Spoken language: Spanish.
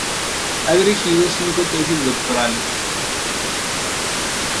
Ha dirigido cinco tesis doctorales.